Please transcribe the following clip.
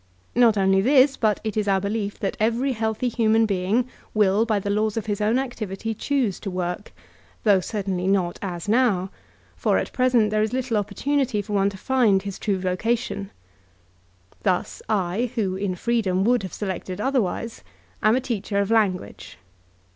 Not only this, but it b our belief that every healthy human being will, by the laws of hb own activity, choose to work, though certainly not as now, for at present there is little opportunity for one to find hb true vocation. Thus I, who in freedom would have selected otherwise, am a teacher of language.